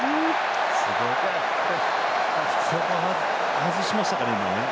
外しましたか。